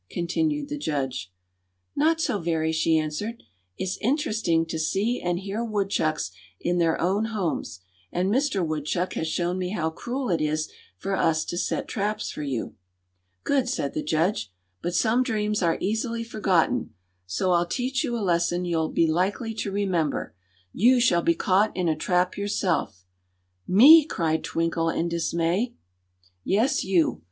continued the judge. "Not so very," she answered. "It's interesting to see and hear woodchucks in their own homes, and Mister Woodchuck has shown me how cruel it is for us to set traps for you." "Good!" said the judge. "But some dreams are easily forgotten, so I'll teach you a lesson you'll be likely to remember. You shall be caught in a trap yourself." "Me!" cried Twinkle, in dismay. "Yes, you.